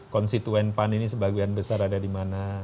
konstituen pan ini sebagian besar ada dimana